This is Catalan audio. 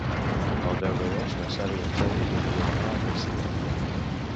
El deu d'agost na Sara i en Xavi voldrien anar a Garcia.